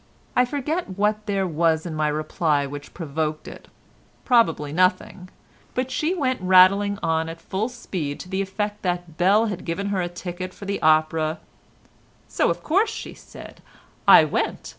I forget what there was in my reply which provoked it—probably nothing—but she went rattling on at full speed to the effect that Bell had given her a ticket for the opera, "So, of course," she said, "I went.